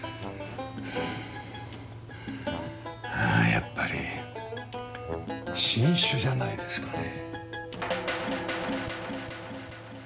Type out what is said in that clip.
うんやっぱり新種じゃないですかね。